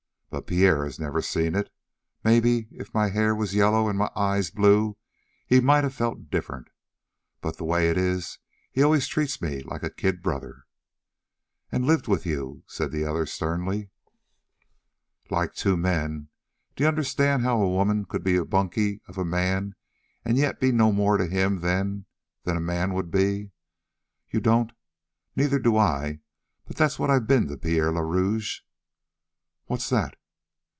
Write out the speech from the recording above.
But Pierre had never seen it. Maybe, if my hair was yellow an' my eyes blue, he might have felt different; but the way it is, he's always treated me like a kid brother " "And lived with you?" said the other sternly. "Like two men! D'you understand how a woman could be the bunky of a man an' yet be no more to him than than a man would be. You don't? Neither do I, but that's what I've been to Pierre le Rouge. What's that?"